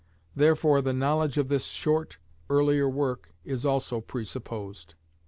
Therefore the knowledge of this short, earlier work is also presupposed.